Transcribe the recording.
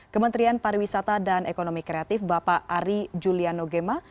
kementerian pariwisata dan ekonomi kreatif bapak ari juliano gemma